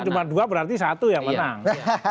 cuma dua berarti satu yang menang